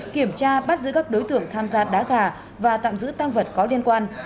kiểm tra bắt giữ các đối tượng tham gia đá gà và tạm giữ tăng vật có liên quan